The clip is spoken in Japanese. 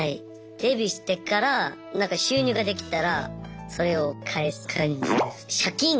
デビューしてから収入ができたらそれを返す感じです。